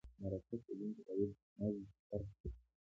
مرکه کېدونکی باید مزد ورکړل شي.